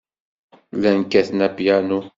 Llan kkaten apyanu.